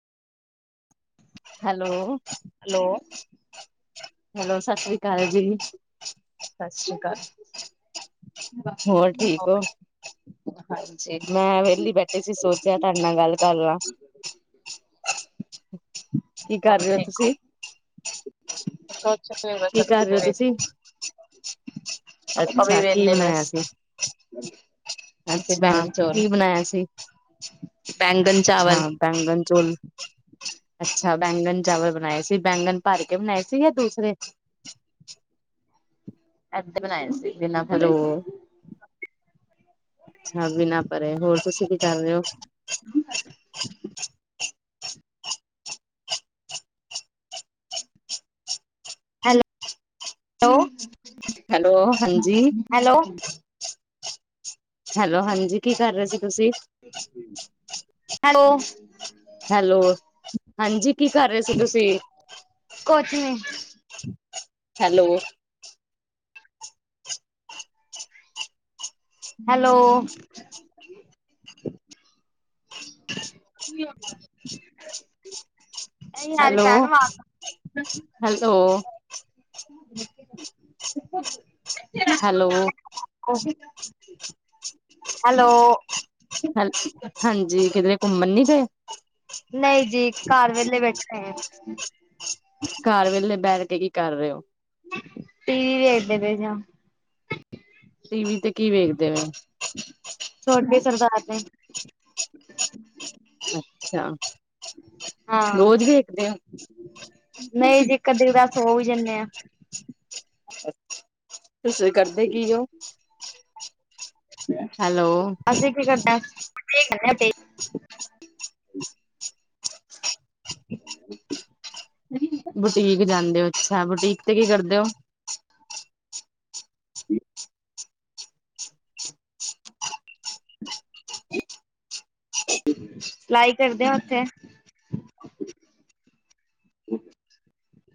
Hello. Hello hello ਸਤਿ ਸ੍ਰੀ ਅਕਾਲ ਜੀ। ਸਤਿ ਸ਼੍ਰੀ ਅਕਾਲ ਹੋਰ ਠੀਕ ਹੋ? ਹੋਰ ਹਾਂਜੀ ਮੈਂ ਵਿਹਲੀ ਬੈਠੀ ਸੀ ਸੋਚਿਆ ਤੁਹਾਡੇ ਨਾਲ ਗੱਲ ਕਰ ਲਾਂ ਕੀ ਕਰ ਹੋਰ ਰਹੇ ਹੋ ਤੁਸੀਂ? ਅੱਛਾ। ਕੀ ਕਰ ਰਹੇ ਹੋ ਤੁਸੀਂ? ਆਪਾਂ ਵੀ ਅੱਛਾ ਕੀ ਵੇਹਲੇ ਬਣਾਇਆ ਬਸ ਸੀ? ਅਸੀਂ ਅੱਛਾ ਬੈਂਗਣ ਚੋਲ ਕੀ ਬਣਾਇਆ ਸੀ, ਬੈਂਗਣ ਹਾਂ ਚਾਵਲ ਬੈਗਨ ਚੋਲ ਅੱਛਾ ਅੱਛਾ ਬੈਂਗਣ ਚਾਵਲ ਬਣਾਏ ਸੀ ਬੈਂਗਣ ਭਰ ਕੇ ਬਣਾਏ ਸੀਗੇ ਦੂਸਰੇ ਐਧ ਬਣਾਏ ਸੀ। ਬਿਨਾ ਹੈਲੋ ਭਰੇ ਅੱਛਾ ਬਿਨਾਂ ਪਰੇ ਹੋਰ ਤੁਸੀਂ ਕੀ ਕਰ ਰਹੇ ਹੋ? [inaudible] ਹੈਲੋ ਹੈਲੋ ਹਾਂਜੀ ਹੈਲੋ [inaudible] [inaudible] ਹੈਲੋ ਹਾਂਜੀ ਕੀ ਕਰ ਰਹੇ ਸੀ? ਤੁਸੀਂ ਹੈਲੋ ਹੈਲੋ ਹਾਂਜੀ ਕੀ ਕਰ ਰਹੇ ਸੀ ਤੁਸੀਂ ਕੁਛ ਨੀ ਹੈਲੋ ਹੈਲੋ ਯਾਰ ਹੈਲੋ ਭੈਣ ਆਵਾਜ਼ -ਹੈਲੋ [inaudible] [inaudible] ਹੈਲੋ ਹੈਲੋ [inaudible] ਹ ਹਾਂਜੀ ਕਿਧਰੇ ਘੁੰਮਣ ਨੀ ਗਏ। ਨਹੀਂ ਜੀ ਘਰ ਵੇਲੇ ਬੈਠੇ ਹੈ। ਘਰ ਵੇਲੇ ਬੈਠ ਕੇ ਕੀ ਕਰ ਰਹੇ ਹੋ? ਟੀ ਵੀ ਵੇਖਦੇ ਪਏ ਸੀ। [inaudible] ਟੀਵੀ ਤੇ ਕੀ ਵੇਖਦੇ ਹੋ? [inaudible] ਛੋਟੀ ਸਰਦਾਰਨੀ ਅੱਛਾ -ਅੱਛਾ [inaudible] ਹਾਂ ਰੋਜ਼ ਵੇਖਦੇ ਓ। ਨਹੀਂ ਜੇਕਰ ਦੇ ਤਾਂਸ [unintelligible] ਸੋ ਵੀ ਜਾਂਦੇ। [inaudible] ਤੁਸੀਂ ਕਰਦੇ ਕੀ ਉਹ? [unintelligible] ਅਸੀਂ ਕੀ ਕਰਨਾ [unintelligible] [unintelligible] ਬੁਟੀਕ ਜਾਂਦੇ ਹੋ, ਅੱਛਾ ਬੁਟੀਕ ਤੇ ਕੀ ਕਰਦੇ ਹੋ? ਅ [unintelligible] ਸਲਾਈ ਕਰਦੇ ਆ ਉੱਥੇ,